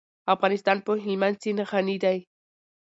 افغانستان په هلمند سیند غني دی.